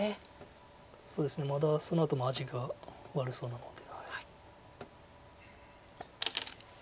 そうですねまだそのあとも味が悪そうなので。